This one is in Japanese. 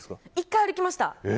１回、歩きました。